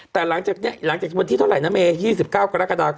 แต่หลังจากนี้หลังจากวันที่เท่าไหร่นะเมย์๒๙กรกฎาคม